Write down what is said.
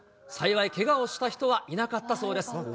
幸い、けがをした人はいなかったそうです。